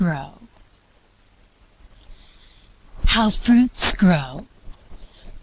HOW FRUITS GROW.